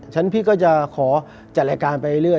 ฉันพี่ก็จะขอจัดรายการไปเรื่อย